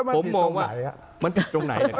ผมมองว่ามันผิดตรงไหนนะครับ